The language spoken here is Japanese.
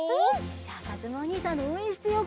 じゃあかずむおにいさんのおうえんしてよう